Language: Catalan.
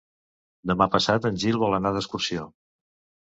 Demà passat en Gil vol anar d'excursió.